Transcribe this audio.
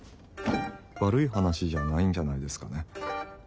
悪い話じゃないんじゃないですかね。